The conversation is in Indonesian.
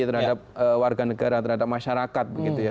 terhadap warga negara terhadap masyarakat begitu ya